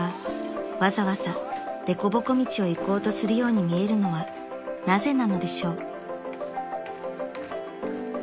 わざわざ凸凹道を行こうとするように見えるのはなぜなのでしょう？］